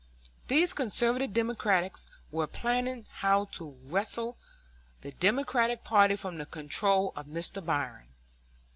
These conservative Democrats were planning how to wrest the Democratic party from the control of Mr. Bryan.